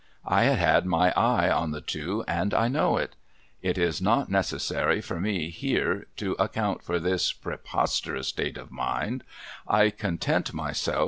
I had had my eye on the two, and I know it. It is not necessary for me, here, to account for this pcrposterous state of mind ; I content myself v.